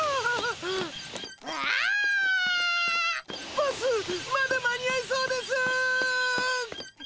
バスまだ間に合いそうです！